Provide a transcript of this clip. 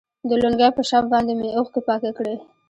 د لونگۍ په شف باندې مې اوښکې پاکې کړي.